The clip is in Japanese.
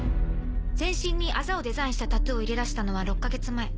全身にアザをデザインしたタトゥーを入れだしたのは６か月前。